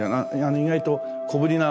意外と小ぶりな。